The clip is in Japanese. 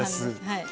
はい。